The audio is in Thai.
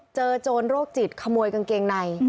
โจรโรคจิตขโมยกางเกงใน